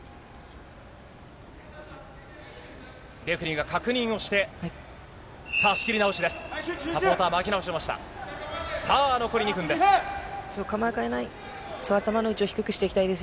レフェリーが確認をして、さあ、仕切り直しです。